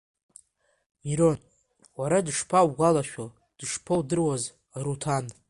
Мирон, уара дышԥаугәалашәо, дышԥоудыруаз Аруҭан?